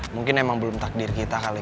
mungkin emang belum takdir kita kali ya